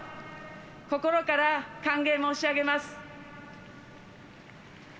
心から歓迎申し上げます。